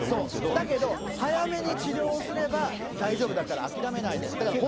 だけど早めに治療すれば、大丈夫だから、諦めないで。